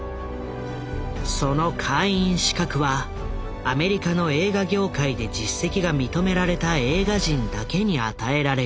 その会員資格はアメリカの映画業界で実績が認められた映画人だけに与えられる。